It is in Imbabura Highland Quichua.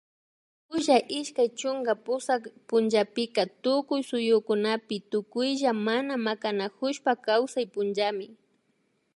kulla ishkay chunka pusak punllapika tukuy suyukunapi tukuylla mana makanakushpa kawsay punllami